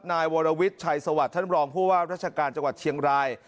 นายวรวิทย์ชัยสวัสดิ์ท่านรองผู้ว่าราชการจังหวัดเชียงราย